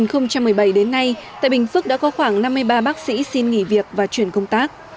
từ năm hai nghìn một mươi bảy đến nay tại bình phước đã có khoảng năm mươi ba bác sĩ xin nghỉ việc và chuyển công tác